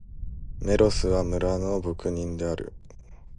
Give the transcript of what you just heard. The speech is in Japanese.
メロスは、村の牧人である。